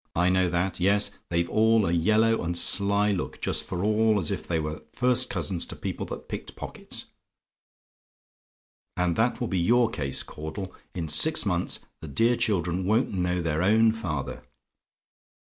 I know that. Yes, they've all a yellow and sly look; just for all as if they were first cousins to people that picked pockets. And that will be your case, Caudle: in six months the dear children won't know their own father.